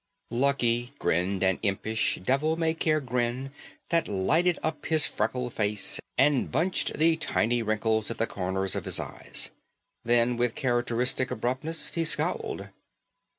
Lucky grinned, an impish, devil may care grin that lightened up his freckled face and bunched the tiny wrinkles at the corners of his eyes. Then with characteristic abruptness he scowled.